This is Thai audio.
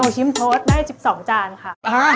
ชิมโทสได้๑๒จานค่ะ